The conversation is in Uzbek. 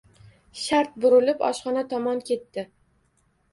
Shart burilib oshxona tomon ketdi.